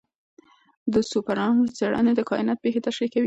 د سوپرنووا څېړنې د کائنات پېښې تشریح کوي.